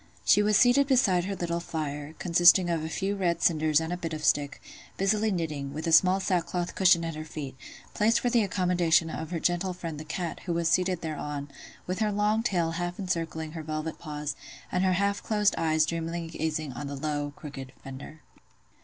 She was seated beside her little fire (consisting of a few red cinders and a bit of stick), busily knitting, with a small sackcloth cushion at her feet, placed for the accommodation of her gentle friend the cat, who was seated thereon, with her long tail half encircling her velvet paws, and her half closed eyes dreamily gazing on the low, crooked fender.